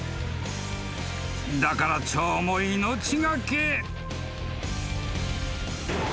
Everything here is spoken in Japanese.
［だからチョウも命懸け］